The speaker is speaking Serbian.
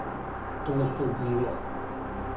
Ту су биле.